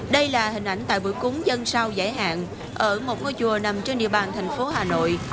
đây là hình ảnh tại bữa cúng dân sao giải hạn ở một ngôi chùa nằm trên địa bàn thành phố hà nội